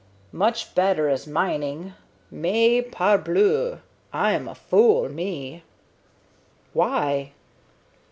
Much better as mining. Mais, parbleu! I am a fool, me." "Why?"